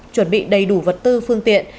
chuẩn bị đầy đủ vật tư phương tiện